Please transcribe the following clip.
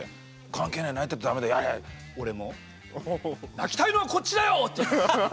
「泣きたいのはこっちだよ！」って言ってます。